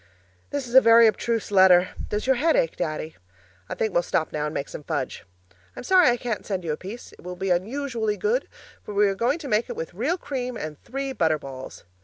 This is a very abstruse letter does your head ache, Daddy? I think we'll stop now and make some fudge. I'm sorry I can't send you a piece; it will be unusually good, for we're going to make it with real cream and three butter balls.